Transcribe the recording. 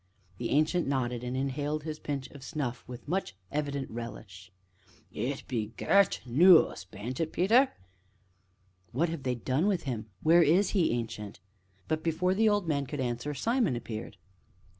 The Ancient nodded, and inhaled his pinch of snuff with much evident relish. "It be gert noos, bean't it, Peter?" "What have they done with him? Where is he, Ancient?" But, before the old man could answer, Simon appeared.